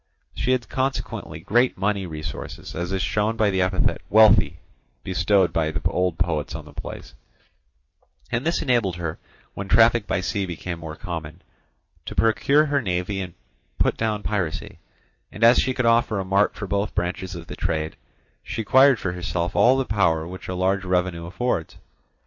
She had consequently great money resources, as is shown by the epithet "wealthy" bestowed by the old poets on the place, and this enabled her, when traffic by sea became more common, to procure her navy and put down piracy; and as she could offer a mart for both branches of the trade, she acquired for herself all the power which a large revenue affords.